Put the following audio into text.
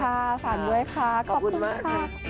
ค่ะฝากด้วยค่ะขอบคุณมากขอบคุณมาก